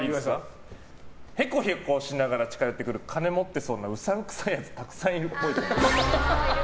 へこへこしながら近寄ってくる金持ってそうなうさんくさいやつたくさんいるっぽい。